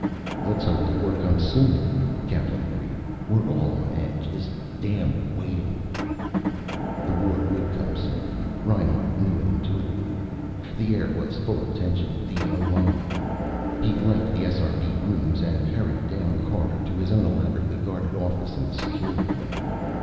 "Let's hope the war comes soon," Kaplan agreed. "We're all on edge. This damn waiting...." The war would come soon. Reinhart knew it intuitively. The air was full of tension, the elan. He left the SRB rooms and hurried down the corridor to his own elaborately guarded office in the Security wing.